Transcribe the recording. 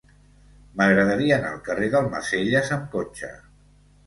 M'agradaria anar al carrer d'Almacelles amb cotxe.